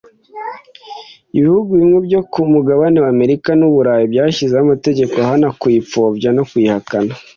Ibihugu bimwe byo ku mugabane wa Amerika n’u Burayi byashyizeho amategeko ahana kuyipfobya no kuyihakana